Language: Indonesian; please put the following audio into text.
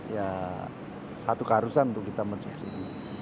ya satu keharusan untuk kita mensubsidi